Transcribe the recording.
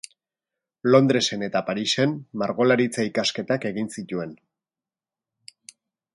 Londresen eta Parisen margolaritza-ikasketak egin zituen.